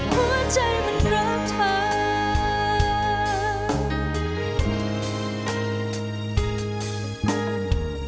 หัวใจมันรับทาย